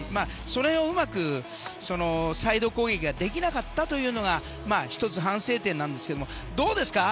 その辺をうまくサイド攻撃ができなかったというのが１つ反省点なんですけどもどうですか？